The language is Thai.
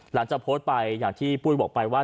หลังจากโพสต์ไปอย่างที่ปุ้ยบอกไปว่า